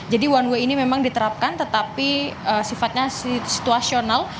jadi one way ini memang diterapkan tetapi sifatnya situasional